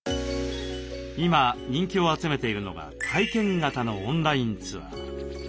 今人気を集めているのが体験型のオンラインツアー。